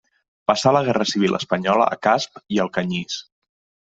Passà la guerra civil espanyola a Casp i Alcanyís.